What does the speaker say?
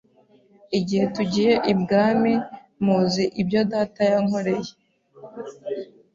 Igihe tugiye ibwami muzi ibyo data yankoreye